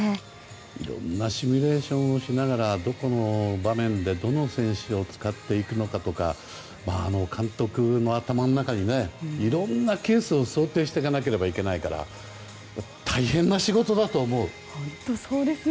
いろいろなシミュレーションをしながらどんな場面でどの選手を使っていくのかとか監督の頭の中にいろんなケースを想定していかなきゃいけないから大変な仕事だと思う。